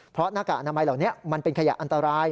เพราะหน้ากากอนามัยเหล่านี้มันเป็นขยะอันตราย